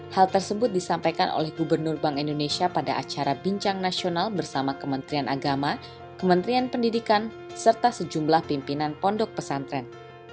hal tersebut disampaikan oleh gubernur bank indonesia pada acara bincang nasional bersama kementerian agama kementerian pendidikan serta sejumlah pimpinan pondok pesantren